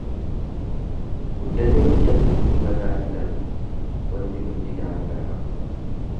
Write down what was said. Guddatee guddatu gurri mataa hin darbu Waanti hundi daangaa qaba.